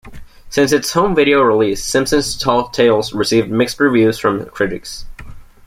Since its home video release, "Simpsons Tall Tales" received mixed reviews from critics.